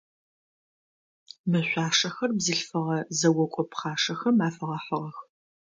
Мы шъуашэхэр бзылъфыгъэ зэокӏо пхъашэхэм афэгъэхьыгъэх.